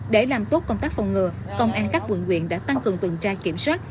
để làm tốt công tác phòng ngừa công an khách quận nguyện đã tăng cường tuần trai kiểm soát